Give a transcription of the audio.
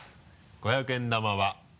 ５００円玉は。